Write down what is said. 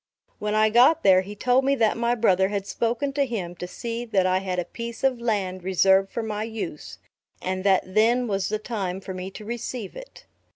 When I got there, he told me that my brother had spoken to him to see that I had a piece of land reserved for my use; and that then was the time for me to receive it.